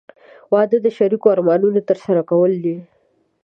• واده د شریکو ارمانونو ترسره کول دي.